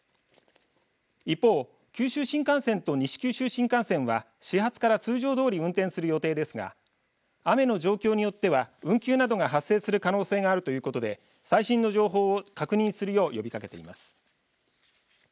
一方九州新幹線と西九州新幹線は始発から通常どおり運行する予定ですが雨の状況によっては運休などが発生する可能性があるということで最新の情報を確認するよう呼びかけています。